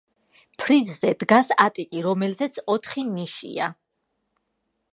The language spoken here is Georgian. ფრიზზე დგას ატიკი, რომელზეც ოთხი ნიშია.